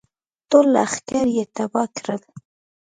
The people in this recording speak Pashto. ټول لښکر یې تباه کړل.